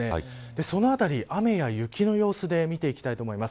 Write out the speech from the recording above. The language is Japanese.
そのあたり、雨や雪の様子で見ていきたいと思います。